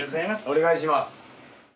お願いします。